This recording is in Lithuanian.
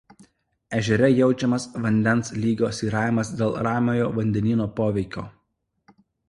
Ežere jaučiamas vandens lygio svyravimas dėl Ramiojo vandenyno poveikio.